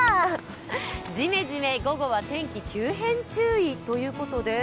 ジメジメ、午後は天気急変注意ということです。